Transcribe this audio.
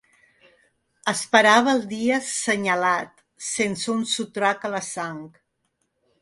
Esperava el dia senyalat, sense un sotrac a la sang